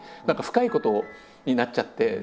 何か深いことになっちゃって。